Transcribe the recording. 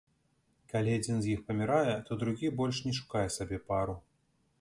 Калі адзін з іх памірае, то другі больш не шукае сабе пару.